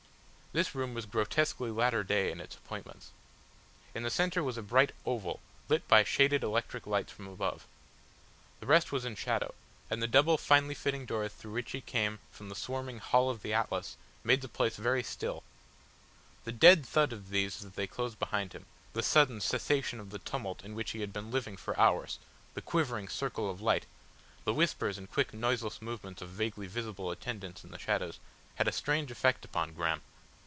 This room was grotesquely latter day in its appointments. In the centre was a bright oval lit by shaded electric lights from above. The rest was in shadow, and the double finely fitting doors through which he came from the swarming Hall of the Atlas made the place very still. The dead thud of these as they closed behind him, the sudden cessation of the tumult in which he had been living for hours, the quivering circle of light, the whispers and quick noiseless movements of vaguely visible attendants in the shadows, had a strange effect upon Graham.